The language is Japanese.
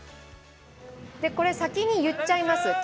これ先にいっちゃいます。